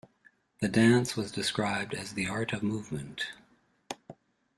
The dance was described as the art of movement.